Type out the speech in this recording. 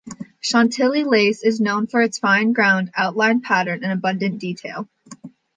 Chantilly lace is known for its fine ground, outlined pattern, and abundant detail.